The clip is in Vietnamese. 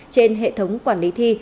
trên hệ thống quản lý thi